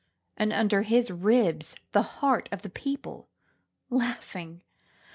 and under his ribs the heart of the people, Laughing!